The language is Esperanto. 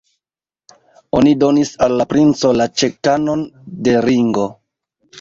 Oni donis al la princo la ĉekanon de Ringo.